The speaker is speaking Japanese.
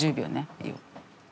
いいよ。